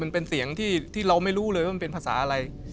มันเป็นเสียงที่เราไม่รู้เลยว่ามันเป็นภาษาอะไร